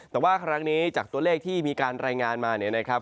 แต่ว่าครั้งนี้จากตัวเลขที่มีการรายงานมาเนี่ยนะครับ